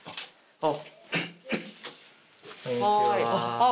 あっ！